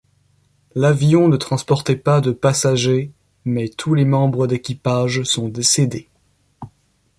L'avion ne transportait pas de passagers mais tous les membres d'équipage sont décédés.